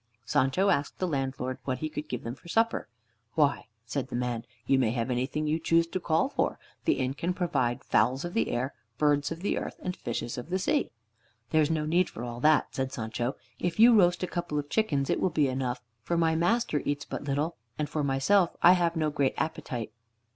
Sancho asked the landlord what he could give them for supper. "Why," said the man, "you may have anything you choose to call for. The inn can provide fowls of the air, birds of the earth, and fishes of the sea." "There's no need for all that," said Sancho. "If you roast a couple of chickens it will be enough, for my master eats but little, and for myself, I have no great appetite."